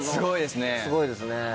すごいですね。